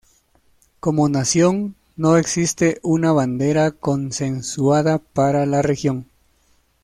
Como nación, no existe una bandera consensuada para la región.